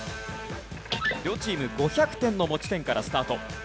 両チーム５００点の持ち点からスタート。